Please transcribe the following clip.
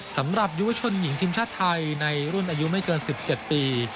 สำหรับยุวชนหญิงทีมชาติไทยในรุ่นอายุไม่เกิน๑๗ปี